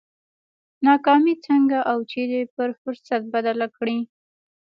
ناکامي څنګه او چېرې پر فرصت بدله کړي؟